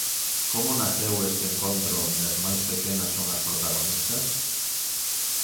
Como naceu este encontro onde as máis pequenas son as protagonistas?